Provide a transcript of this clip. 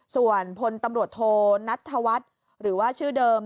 ส่วนพลตำรวจโทนัทธวัฒน์หรือว่าชื่อเดิม